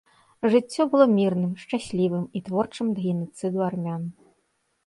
Жыццё было мірным, шчаслівым і творчым да генацыду армян.